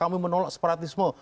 kami menolak separatisme